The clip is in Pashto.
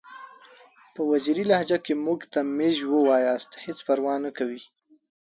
په وزیري لهجه کې که موږ ته میژ ووایاست هیڅ پروا نکوي!